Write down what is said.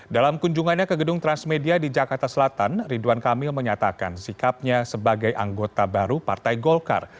dalam kunjungannya ke gedung transmedia di jakarta selatan ridwan kamil menyatakan sikapnya sebagai anggota baru partai golkar